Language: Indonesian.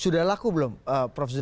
sudah laku belum prosiden